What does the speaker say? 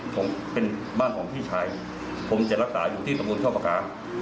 ผมเป็นบ้านของพี่ชายผมจะรักษาอยู่ที่สมบูรณ์เช้าปากกา